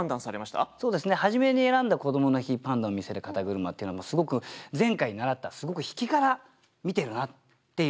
そうですね初めに選んだ「こどもの日パンダを見せる肩車」っていうのもすごく前回習ったすごく引きから見てるなっていうね。